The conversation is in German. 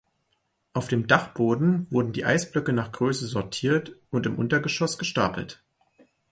Auf dem Dachboden wurden die Eisblöcke nach Größe sortiert und im Untergeschoss gestapelt.